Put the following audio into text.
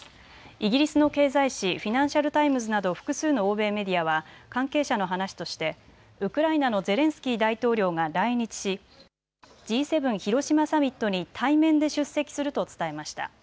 イギリスの経済紙、フィナンシャル・タイムズなど複数の欧米メディアは関係者の話としてウクライナのゼレンスキー大統領が来日しＧ７広島サミットに対面で出席すると伝えました。